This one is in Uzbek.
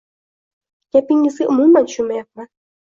Gapingizgа umuman tushunmayapman.